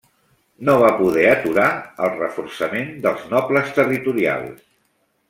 No va poder aturar el reforçament dels nobles territorials.